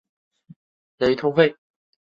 雷通费。